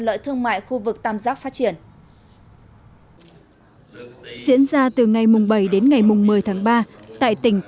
lợi thương mại khu vực tam giác phát triển diễn ra từ ngày bảy đến ngày một mươi tháng ba tại tỉnh